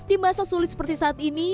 di masa sulit seperti saat ini